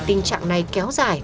để tình trạng này kéo dài